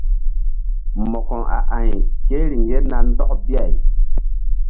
Mo̧ko a a̧y ke riŋ ye na ndɔk bi-ay.